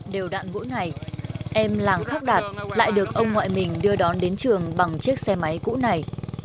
đều đạn mỗi ngày em làng khắc đạt lại được ông ngoại mình đưa đón đến trường bằng chiếc xe máy cũ này